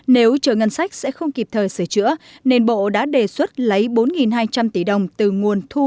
nếu chờ ngân sách sẽ không kịp thời sửa chữa nền bộ đã đề xuất lấy bốn hai trăm linh tỷ đồng từ nguồn thu